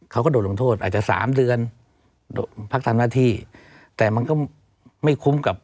เขาก็โดนลงโทษอาจจะสามเดือนโดนพักทำหน้าที่แต่มันก็ไม่คุ้มกับ